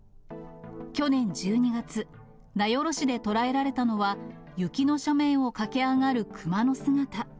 去年１２月、名寄市で捉えられたのは、雪の斜面を駆け上がる熊の姿。